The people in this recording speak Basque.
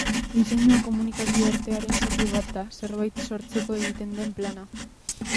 Diseinua komunikazio-artearen zati bat da, zerbait sortzeko egiten den plana.